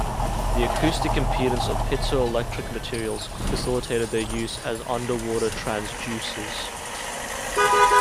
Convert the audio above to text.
The acoustic impedance of piezoelectric materials facilitated their use as underwater transducers.